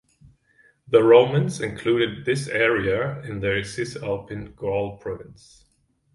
The Romans included this area in their Cisalpine Gaul province.